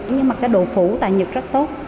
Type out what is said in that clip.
nhưng mà cái độ phủ tại nhật rất tốt